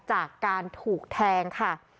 จากการถูกแทงค่ะ